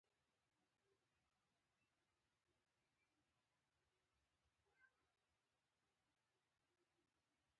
زړورتیا انسان ته ځواک ورکوي.